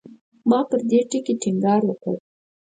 ما پر دې ټکي ټینګار وکړ.